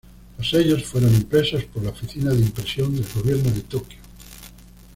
Los sellos fueron impresos por la Oficina de Impresión del Gobierno de Tokio.